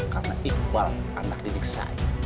karena iqbal anak didik saya